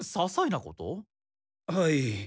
はい。